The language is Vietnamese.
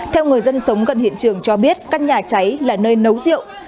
theo người dân sống gần hiện trường cho biết căn nhà cháy là nơi nấu rượu